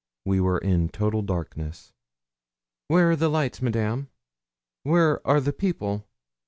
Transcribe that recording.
We were in total darkness. 'Where are the lights, Madame where are the people?'